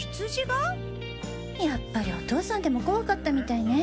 やっぱりお父さんでも怖かったみたいね。